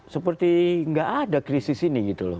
seperti nggak ada krisis ini gitu loh